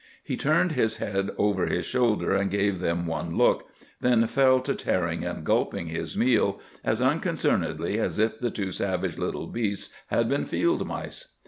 He turned his head over his shoulder and gave them one look, then fell to tearing and gulping his meal as unconcernedly as if the two savage little beasts had been field mice.